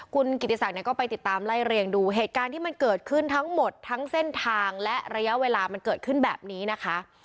คุณกิติศักดิ์ก็ไปติดตามไล่เรียงดูเหตุการณ์ที่มันเกิดขึ้นทั้งหมดทั้งเส้นทางและระยะเวลามันเกิดขึ้นแบบนี้นะคะ